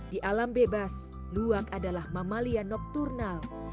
di alam bebas luwak adalah mamalia nokturnal